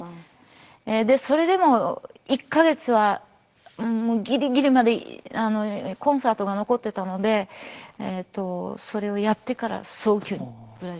でそれでも１か月はギリギリまでコンサートが残ってたのでそれをやってから早急にブラジルへ帰りました。